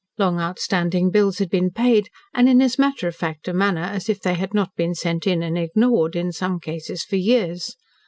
Long outstanding bills had been paid, and in as matter of fact manner as if they had not been sent in and ignored, in some cases for years.